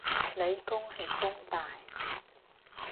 理工係弓大